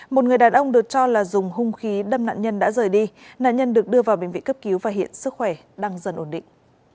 một người đàn ông được cho là dùng hung khí đâm nạn nhân đã rời đi nạn nhân được đưa vào bệnh viện cấp cứu và hiện sức khỏe đang dần ổn định